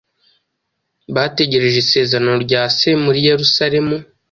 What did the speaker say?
bategerereje isezerano rya Se muri Yerusalemu,